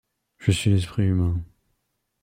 Je suis l’Esprit Humain.